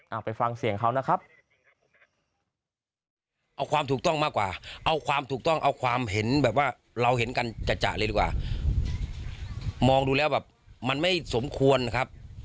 ไปฟังเสียงเขานะครับ